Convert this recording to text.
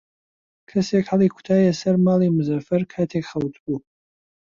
کەسێک هەڵی کوتایە سەر ماڵی مزەفەر کاتێک خەوتبوو.